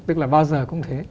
tức là bao giờ cũng thế